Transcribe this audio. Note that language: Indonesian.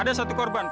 ada satu korban pak